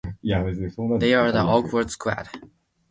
They are the awkward squad.